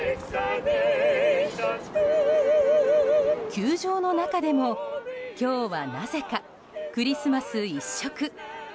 球場の中でも今日はなぜかクリスマス一色。